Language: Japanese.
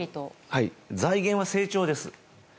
財源は成長です。